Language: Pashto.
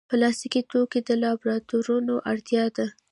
پلاستيکي توکي د لابراتوارونو اړتیا ده.